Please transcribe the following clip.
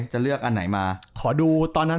จะเลือกอันไหนมา